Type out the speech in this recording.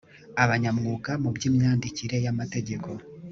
abanyamwuga mu by imyandikire y amategeko